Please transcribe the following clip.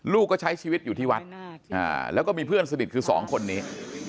ก็ใช้ชีวิตอยู่ที่วัดแล้วก็มีเพื่อนสนิทคือสองคนนี้